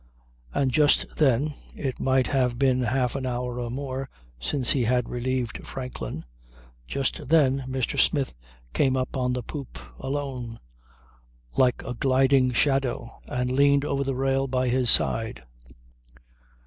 And just then (it might have been half an hour or more since he had relieved Franklin) just then Mr. Smith came up on the poop alone, like a gliding shadow and leaned over the rail by his side.